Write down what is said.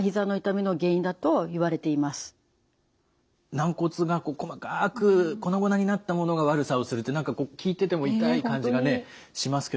軟骨が細かく粉々になったものが悪さをするって何か聞いてても痛い感じがしますけれども。